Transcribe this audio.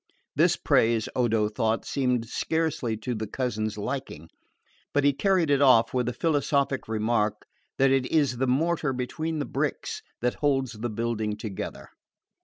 This praise, Odo thought, seemed scarcely to the cousin's liking; but he carried it off with the philosophic remark that it is the mortar between the bricks that holds the building together.